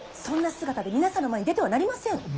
そんな姿で皆さんの前に出てはなりません。